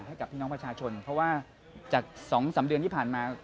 ให้กับพี่น้องประชาชนเพราะว่าจาก๒๓เดือนที่ผ่านมา